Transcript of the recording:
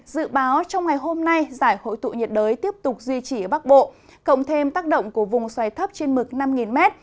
dự báo trong ngày hôm nay giải hội tụ nhiệt đới tiếp tục duy trì ở bắc bộ cộng thêm tác động của vùng xoay thấp trên mực năm m